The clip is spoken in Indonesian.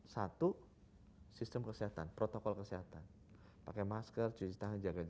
satu sistem kesehatan protokol kesehatan pakai masker cuci tangan jaga jarak